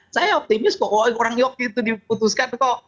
saya optimis kok orang yogi itu diputuskan kok